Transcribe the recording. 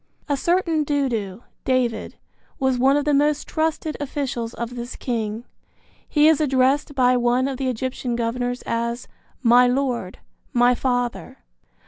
A certain Dudu (David) was one of the most trusted officials of this king. He is addressed by one of the Egyptian governors as "My lord, my father."